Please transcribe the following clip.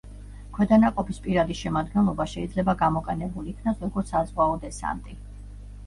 ქვედანაყოფის პირადი შემადგენლობა შეიძლება გამოყენებულ იქნას როგორც საზღვაო დესანტი.